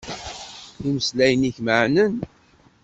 Imeslayen-ik meɛnen.